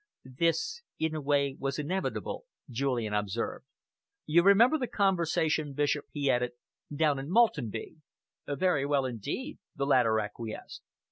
"This, in a way, was inevitable," Julian observed. "You remember the conversation, Bishop," he added, "down at Maltenby?" "Very well indeed," the latter acquiesced.